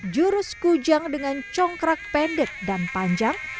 jurus kujang dengan congkrak pendek dan panjang